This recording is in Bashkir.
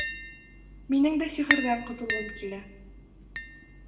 — Минең дә сихырҙан ҡотолғом килә.